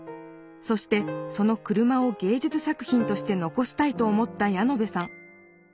そしてその車をげいじゅつ作品としてのこしたいと思ったヤノベさん。